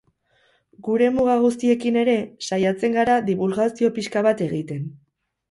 Gure muga guztiekin ere, saiatzen gara dibulgazio pixka bat egiten.